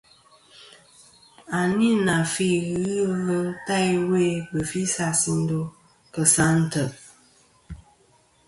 À nî nà fî ghɨ ɨlvɨ ta iwo i bef ɨ isas ì ndo kèsa a ntèʼ ghelɨ yvɨ̀ŋtɨ̀ ɨ faytɨ ìwo ateyn ɨ nyvɨ mɨlûʼ yi mæ̀.